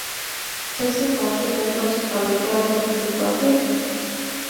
Ce se face pentru a supraveghea această situație?